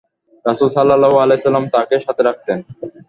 রাসূল সাল্লাল্লাহু আলাইহি ওয়াসাল্লাম তাকে সাথে রাখতেন।